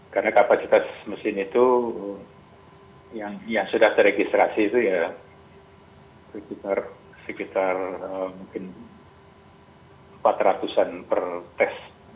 karena kapasitas mesin itu yang sudah teregistrasi itu ya sekitar mungkin empat ratus an per tes